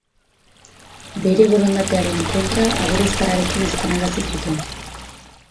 Bere borondatearen kontra agure zaharrarekin ezkonarazi zuten.